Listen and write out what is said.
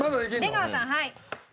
出川さんはい。